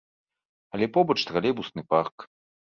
Але побач тралейбусны парк.